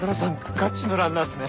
ガチのランナーっすね。